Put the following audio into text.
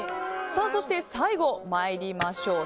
そして、最後に参りましょう。